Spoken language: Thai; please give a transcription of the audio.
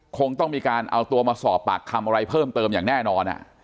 คงต้องมีการเอาตัวมาสอบปากคำอะไรเพิ่มเติมอย่างแน่นอน